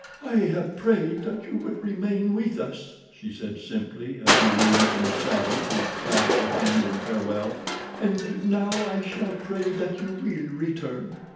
"I have prayed that you would remain with us," she said simply, as he leaned from his saddle to clasp her hand in farewell, "and now I shall pray that you will return."